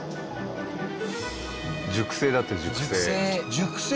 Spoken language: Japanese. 熟成だって熟成。